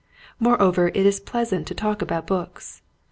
Moreover it is pleasant to talk about books.